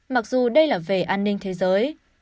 mặc dù đây là về an ninh thế giới